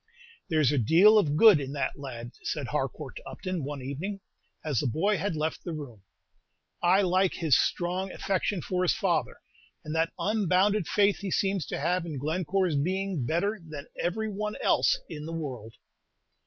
"There's a deal of good in that lad," said Harcourt to Upton, one evening, as the boy had left the room; "I like his strong affection for his father, and that unbounded faith he seems to have in Glencore's being better than every one else in the world."